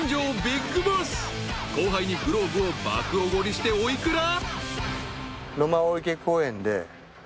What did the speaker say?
［後輩にグラブを爆おごりしてお幾ら？］